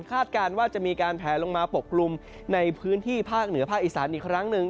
การว่าจะมีการแผลลงมาปกกลุ่มในพื้นที่ภาคเหนือภาคอีสานอีกครั้งหนึ่ง